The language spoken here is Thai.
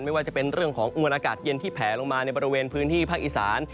ไม่ว่าจะเป็นเรื่องของมวลอากาศเย็นที่แผลลงมาในบริเวณพื้นที่ภาคอีสาน